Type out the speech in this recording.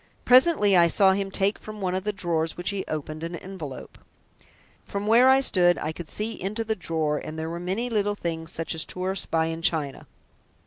Presently I saw him take from one of the drawers, which he opened, an envelope. From where I stood I could see into the drawer, and there were many little things such as tourists buy in China.